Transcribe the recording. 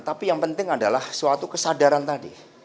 tapi yang penting adalah suatu kesadaran tadi